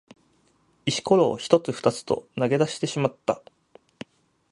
石ころを一つ二つと投げ出してしまった。